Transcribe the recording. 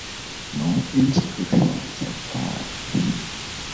No inscription survives.